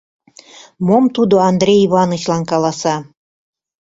Мом тудо Андрей Иванычлан каласа?